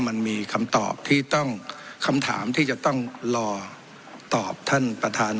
มันมีคำตอบที่ต้องคำถามที่จะต้องรอตอบท่านประธาน